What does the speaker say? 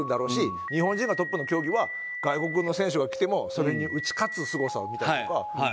日本人がトップの競技は外国の選手が来てもそれに打ち勝つすごさを見たりとか。